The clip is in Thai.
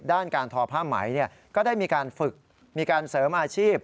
ด้านการทอผ้าไหมก็ได้มีการฝึกมีการเสริมอาชีพ